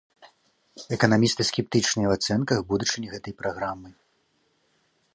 Эканамісты скептычныя ў ацэнках будучыні гэтай праграмы.